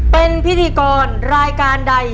เป็นพิธีกรรายการใด